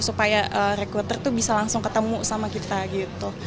supaya requater tuh bisa langsung ketemu sama kita gitu